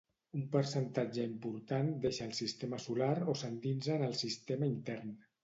Un percentatge important deixa el Sistema Solar o s'endinsa en el sistema intern.